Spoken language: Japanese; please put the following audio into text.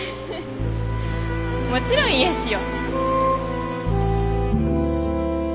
もちろんイエスよ。